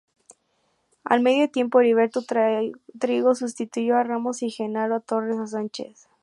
Al medio tiempo Heriberto Trigo sustituyó a Ramos y Genaro Torres a Sánchez.